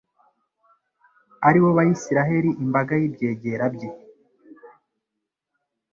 ari bo Bayisraheli imbaga y’ibyegera bye